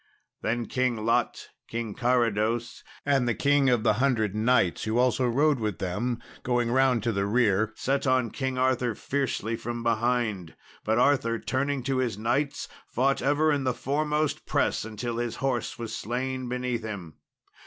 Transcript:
Then King Lot, King Carados, and the King of the Hundred Knights who also rode with them going round to the rear, set on King Arthur fiercely from behind; but Arthur, turning to his knights, fought ever in the foremost press until his horse was slain beneath him.